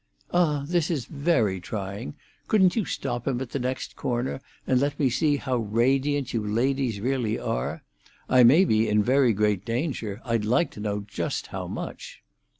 "Ah! this is very trying. Couldn't you stop him at the next corner, and let me see how radiant you ladies really are? I may be in very great danger; I'd like to know just how much."